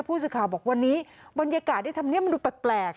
ผู้สื่อข่าวบอกวันนี้บรรยากาศที่ธรรมเนียบมันดูแปลก